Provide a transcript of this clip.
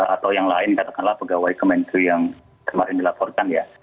atau yang lain katakanlah pegawai kemenkyu yang kemarin dilaporkan ya